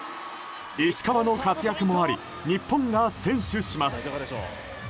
石川の活躍もあり日本が先取します。